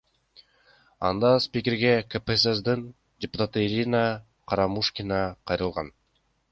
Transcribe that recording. Анда спикерге КСДПнын депутаты Ирина Карамушкина кайрылган.